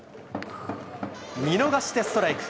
見逃してストライク。